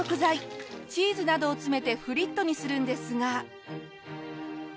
チーズなどを詰めてフリットにするんですが。